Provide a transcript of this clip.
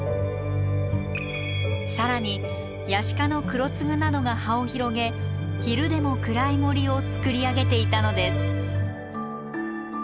更にヤシ科のクロツグなどが葉を広げ昼でも暗い森をつくり上げていたのです。